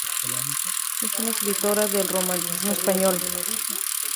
Es una escritora del Romanticismo español.